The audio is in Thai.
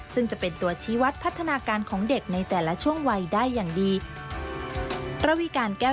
ซึ่งจะเป็นตัวชี้วัดพัฒนาการของเด็กในแต่ละช่วงวัยได้อย่างดี